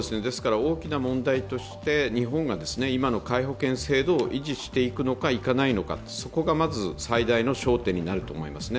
大きな問題として、日本が今の皆保険制度を維持していくのか、いかないのかそこがまず最大の焦点になると思います。